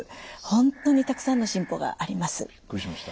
本当にたくさんの進歩があります。